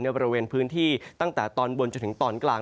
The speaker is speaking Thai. บริเวณพื้นที่ตั้งแต่ตอนบนจนถึงตอนกลาง